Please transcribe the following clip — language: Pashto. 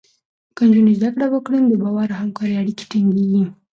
که نجونې زده کړه وکړي، نو د باور او همکارۍ اړیکې ټینګېږي.